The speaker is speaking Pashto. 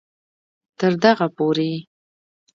تر دغه پورې